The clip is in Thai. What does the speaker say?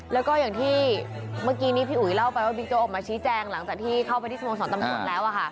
แล้วก็อย่างที่เมื่อกี้นี้พี่อุ๋ยเล่าไปว่าบิ๊กโจ๊ออกมาชี้แจงหลังจากที่เข้าไปที่สโมสรตำรวจแล้ว